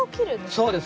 そうです。